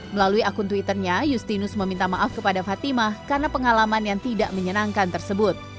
melalui akun twitternya justinus meminta maaf kepada fatimah karena pengalaman yang tidak menyenangkan tersebut